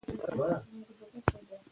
نبي کريم صلی الله عليه وسلم فرمايلي دي: